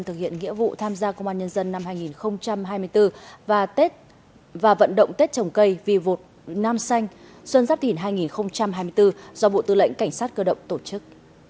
thực hiện nghĩa vụ tham gia công an nhân dân năm hai nghìn hai mươi bốn và tết và vận động tết trồng cây vì vụt nam xanh xuân giáp thìn hai nghìn hai mươi bốn do bộ tư lệnh cảnh sát cơ động tổ chức